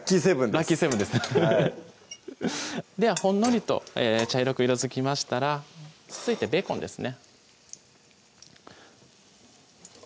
ラッキー７ですではほんのりと茶色く色づきましたら続いてベーコンですね